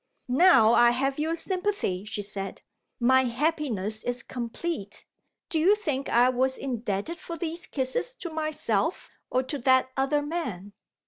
"Now I have your sympathy," she said, "my happiness is complete!" Do you think I was indebted for these kisses to myself or to that other man?